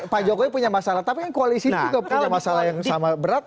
pak jokowi punya masalah tapi yang koalisinya itu punya masalah yang sama beratnya